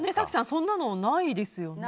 そんなのないですよね。